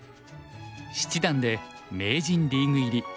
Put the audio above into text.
七段で名人リーグ入り。